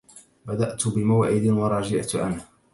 بدأت بموعد ورجعت عنه